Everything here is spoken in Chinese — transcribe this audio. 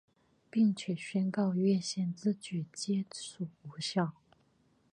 并且宣告越线之举皆属无效。